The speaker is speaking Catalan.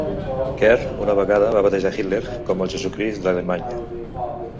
Kerr una vegada va batejar Hitler com el "Jesucrist d'Alemanya".